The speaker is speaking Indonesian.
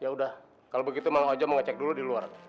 yaudah kalau begitu mang hojo mau cek dulu di luar